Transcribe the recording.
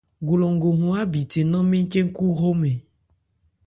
Golongo hɔn ábithe nnán mɛ́n cɛ́n-kú hromɛn.